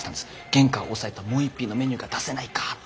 原価を抑えたもう一品のメニューが出せないかって。